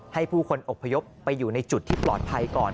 ให้ผู้คนอบพยพไปอยู่ในจุดที่ปลอดภัยก่อน